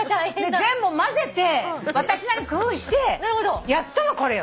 全部交ぜて私なりに工夫してやっとのこれよ。